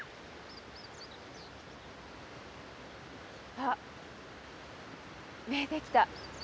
あ見えてきた。